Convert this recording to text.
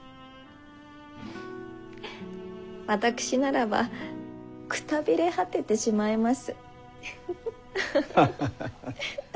私ならばくたびれ果ててしまいます。